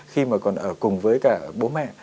khi mà còn ở cùng với cả bố mẹ